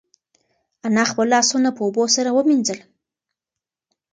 انا خپل لاسونه په اوبو سره ومینځل.